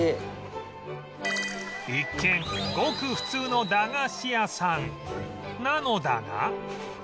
一見ごく普通の駄菓子屋さんなのだが